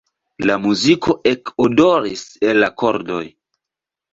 La muziko ekodoris el la kordoj.